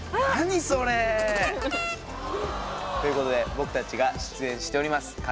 何それ？ということで僕達が出演しております